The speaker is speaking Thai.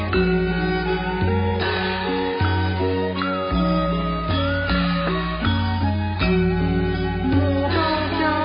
ทรงเป็นน้ำของเรา